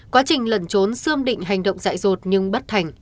quá trình lần trốn xương định hành động dại rột nhưng bất thành